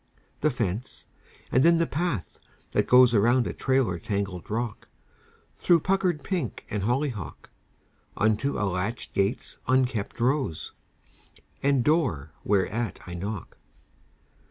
The fence; and then the path that goes Around a trailer tangled rock, Through puckered pink and hollyhock, Unto a latch gate's unkempt rose, And door whereat I knock.